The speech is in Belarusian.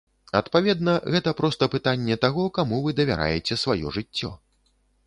Адпаведна, гэта проста пытанне таго, каму вы давяраеце сваё жыццё.